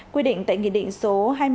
quy định tại nghị định số